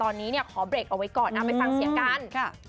ตอนนี้เนี่ยขอเบรกเอาไว้ก่อนไปฟังเสียงกัน